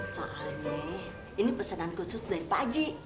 soalnya ini pesanan khusus dari pak haji